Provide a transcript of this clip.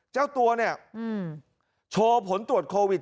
เจ้าตัวเนี่ยโชว์ผลตรวจโควิด